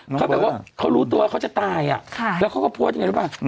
เขาแบบว่าเขารู้ตัวเขาจะตายแล้วเขาก็โพสต์อย่างนี้หรือเปล่า